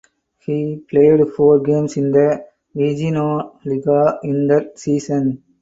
He played four games in the Regionalliga in that season.